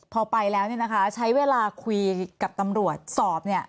พอไปแล้วเนี่ยนะคะใช้เวลาคุยกับตำรวจสอบเนี่ย